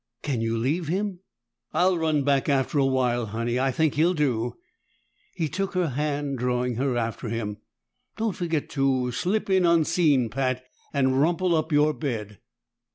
"Can you leave him?" "I'll run back after a while, Honey. I think he'll do." He took her hand, drawing her after him. "Don't forget to slip in unseen, Pat, and rumple up your bed."